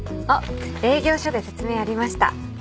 あっ営業所で説明ありました。